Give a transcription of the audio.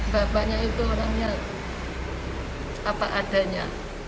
bapaknya itu orangnya apa adanya